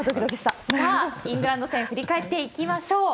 さあ、イングランド戦、振り返っていきましょう。